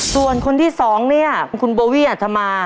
ส่วนคนที่สองเนี่ยคุณโบวี่อัธมา